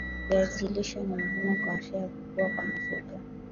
viazi lishe ni muhimu kwa afya ya kukua kwa mifupa